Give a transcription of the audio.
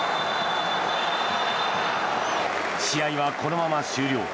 試合はこのまま終了。